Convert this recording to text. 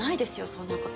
そんなこと。